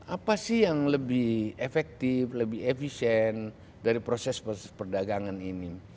apa sih yang lebih efektif lebih efisien dari proses proses perdagangan ini